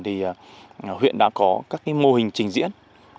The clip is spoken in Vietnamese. thì huyện đã có các mô hình trình diễn